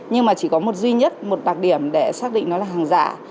nhưng mà chỉ có một duy nhất một đặc điểm để xác định nó là hàng giả